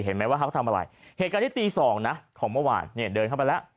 เห็นไหมว่าเขาก็ทำอะไรเหตุการณ์ที่ตีสองนะของเมื่อวานเนี่ยเดินเข้าไปแล้ว